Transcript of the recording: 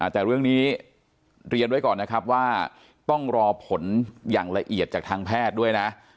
แต่เรื่องนี้เรียนไว้ก่อนนะครับว่าต้องรอผลอย่างละเอียดจากทางแพทย์ด้วยนะ